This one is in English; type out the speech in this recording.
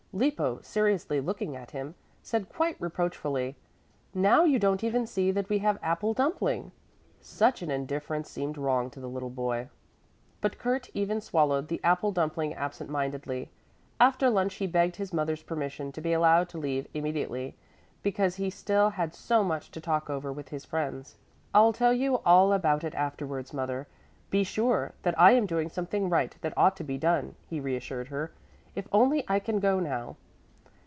Lippo, seriously looking at him, said quite reproachfully, "Now you don't even see that we have apple dumpling." Such an indifference seemed wrong to the little boy. But Kurt even swallowed the apple dumpling absent mindedly. After lunch he begged his mother's permission to be allowed to leave immediately, because he still had so much to talk over with his friends. "I'll tell you all about it afterwards, mother. Be sure that I am doing something right that ought to be done," he reassured her. "If only I can go now."